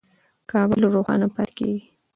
کابل روښانه پاتې کېږي.